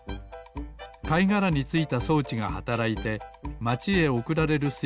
かいがらについたそうちがはたらいてまちへおくられるす